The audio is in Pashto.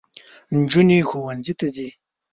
نجوني ښوونځۍ ته ځي